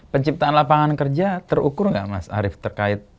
penciptaan lapangan kerja terukur nggak mas arief terkait